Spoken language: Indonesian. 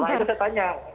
nah itu saya tanya